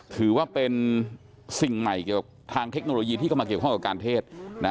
ถือว่าเป็นสิ่งใหม่เกี่ยวกับทางเทคโนโลยีที่เข้ามาเกี่ยวข้องกับการเทศ